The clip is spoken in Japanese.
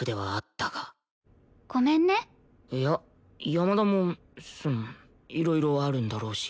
山田もそのいろいろあるんだろうし。